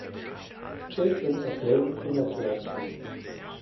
Children are playing in a classroom.